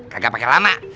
kagak pake lama